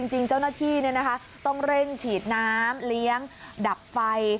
จริงเจ้าหน้าที่ต้องเร่งฉีดน้ำเลี้ยงดับไฟ